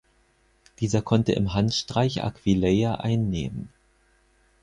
Dieser konnte im Handstreich Aquileia einnehmen.